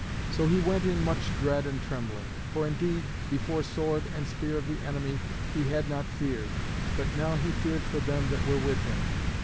So he went in much dread and trembling. For indeed before sword and spear of the enemy he had not feared, but now he feared for them that were with him.